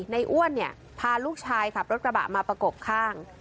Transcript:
อ้วนเนี่ยพาลูกชายขับรถกระบะมาประกบข้าง